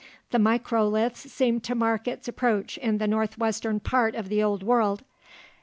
The microliths seem to mark its approach in the northwestern part of the Old World.